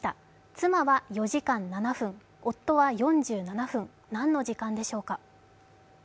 妻は４時間７分、夫は４７分、何の時間でしょうか。